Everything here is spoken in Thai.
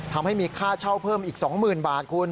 ทำให้มีค่าเช่าเพิ่มอีก๒๐๐๐บาทคุณ